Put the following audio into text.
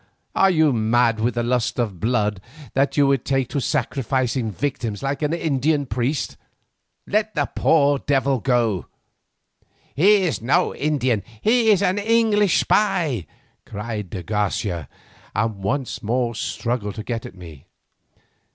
Are you mad with the lust of blood that you would take to sacrificing victims like an Indian priest? Let the poor devil go." "He is no Indian, he is an English spy," cried de Garcia, and once more struggled to get at me.